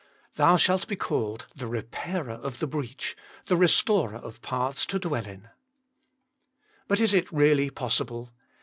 " Thou shalt be called the repairer of the breach, the restorer of paths to dwell in." But is it really possible